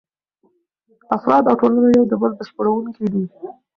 افراد او ټولنه یو د بل بشپړونکي دي.